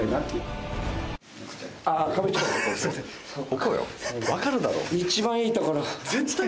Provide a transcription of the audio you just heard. ここよ、分かるだろ。